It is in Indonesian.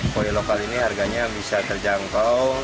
koi lokal ini harganya bisa terjangkau